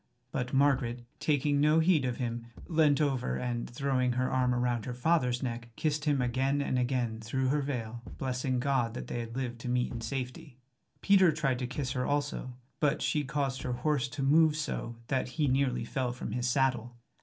But Margaret, taking no heed of him, leant over and, throwing her arm around her father's neck, kissed him again and again through her veil, blessing God that they had lived to meet in safety. Peter tried to kiss her also; but she caused her horse to move so that he nearly fell from his saddle.